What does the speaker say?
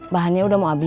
bahannya sudah mau habis